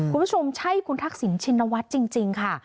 คุณผู้ชมใช่คุณทักษิณชินวัฒน์จริงค่ะ